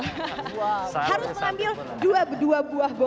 harus mengambil dua buah